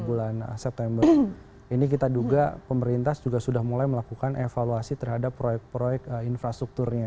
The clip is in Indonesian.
bulan september ini kita duga pemerintah juga sudah mulai melakukan evaluasi terhadap proyek proyek infrastrukturnya